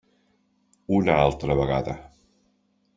Una altra vegada.